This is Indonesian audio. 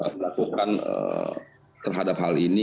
melakukan terhadap hal ini